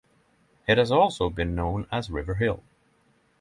It has also been known as River Hill.